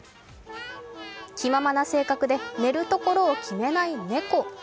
気ままな性格で寝るところを決めない猫。